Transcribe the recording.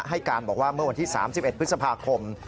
ให้การบอกว่าเมื่อวันที่๓๑พฤษภาคม